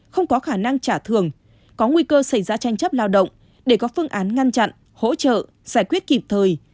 không có khả năng trả thường có nguy cơ xảy ra tranh chấp lao động để có phương án ngăn chặn hỗ trợ giải quyết kịp thời